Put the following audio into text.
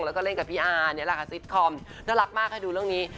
แล้วก็เล่นกับพี่อานี่แหละค่ะซิตคอมน่ารักมากให้ดูเรื่องนี้